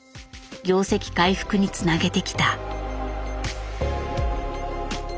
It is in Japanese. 業績回復につなげてきた。